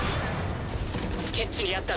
スケッチにあった